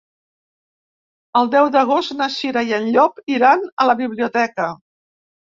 El deu d'agost na Cira i en Llop iran a la biblioteca.